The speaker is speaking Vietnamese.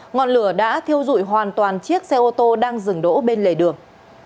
ngọn lửa đã thiêu dụi hoàn toàn chiếc xe ô tô đang dừng đỗ bên lề đường